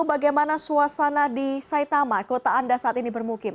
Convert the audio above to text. bagaimana suasana di saitama kota anda saat ini bermukim